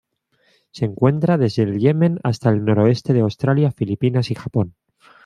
Se encuentra desde el Yemen hasta el noroeste de Australia, Filipinas y Japón.